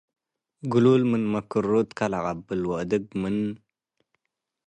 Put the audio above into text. ግሉል ምን ትመክሩ እትካ ለዐቀብል ወአድግ ምን